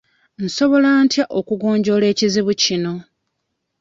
Nsobola ntya okugonjoola ekizibu kino?